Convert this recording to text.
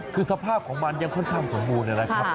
คือสภาพของมันยังค่อนข้างสมบูรณ์นะครับ